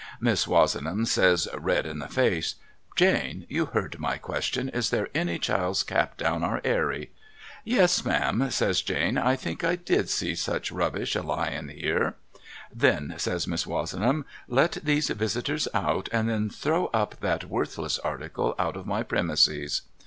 Miss "Wozenham says red in the face ' Jane you heard my question, is there any child's cap down our Airy ?' 'Yes Ma'am' says Jane ' I think I did see some such rubbish a lying there.' ' Then ' says Miss Wozenham ' let these visitors out, and then throw up that worthless article out of my premises.'